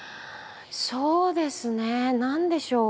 そうですね何でしょう？